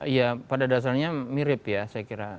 ya pada dasarnya mirip ya saya kira